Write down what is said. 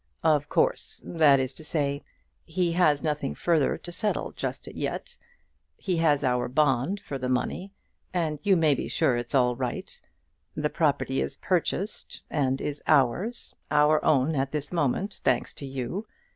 "Of course; that is to say, he has nothing further to settle just as yet. He has our bond for the money, and you may be sure it's all right. The property is purchased, and is ours, our own at this moment, thanks to you.